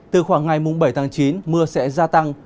từ khoảng ngày bảy tháng chín mưa sẽ gia tăng